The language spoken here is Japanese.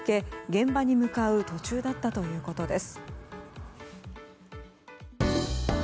現場に向かう途中だったということです。